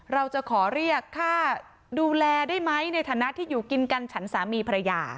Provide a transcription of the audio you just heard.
เราจะขอเรียกค่าดูแลได้ไหมในฐานะที่อยู่กินกันฉันสามีภรรยา